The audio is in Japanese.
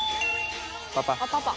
パパ。